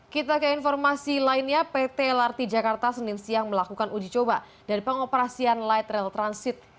kita ke informasi lainnya pt lrt jakarta senin siang melakukan uji coba dari pengoperasian light rail transit